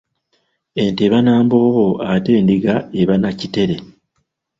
Ente eba n'emboobo ate endiga eba na kitere.